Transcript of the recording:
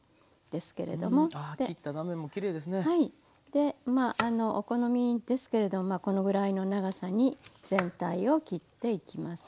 でまあお好みですけれどもこのぐらいの長さに全体を切っていきます。